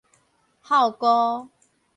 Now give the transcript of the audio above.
孝孤